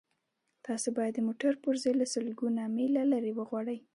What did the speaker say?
تاسو باید د موټر پرزې له سلګونه میله لرې وغواړئ